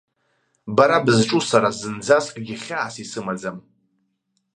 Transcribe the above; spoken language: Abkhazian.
Бара бызҿу сара зынӡаскгьы хьаас исымаӡам.